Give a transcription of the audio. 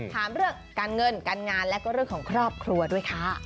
ถามเรื่องการเงินการงานและก็เรื่องของครอบครัวด้วยค่ะ